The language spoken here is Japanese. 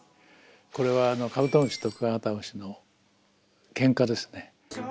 これはカブトムシとクワガタムシのケンカですね。